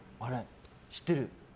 知ってる。